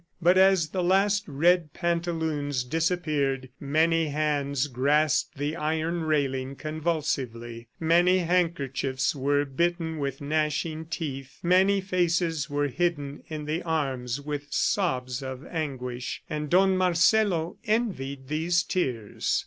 But as the last red pantaloons disappeared, many hands grasped the iron railing convulsively, many handkerchiefs were bitten with gnashing teeth, many faces were hidden in the arms with sobs of anguish. AND DON MARCELO ENVIED THESE TEARS.